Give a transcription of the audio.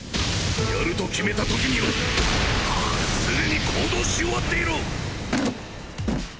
やると決めた時には既に行動し終わっていろ